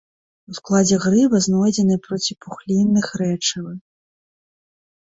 У складзе грыба знойдзеныя проціпухлінных рэчывы.